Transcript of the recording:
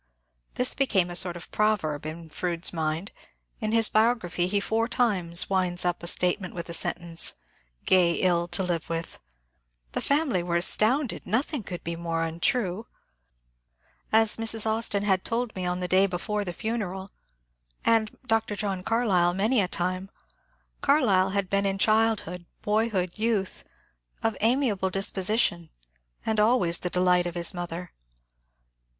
*'* This became a sort of proverb in Fronde's mind ; in his biography he four times winds up a statement with the sentence :^^ Gay ill to live with." The family were astounded ; nothing could be more untrue. As Mrs. Austin had told me on the day before the funeral, and Dr. John Carlyle many a time, Carlyle had been in child hood, boyhood, youth, of amiable disposition, and always the delight of his mother.